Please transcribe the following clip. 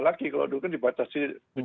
lagi kalau dulu kan dibatasi tujuh puluh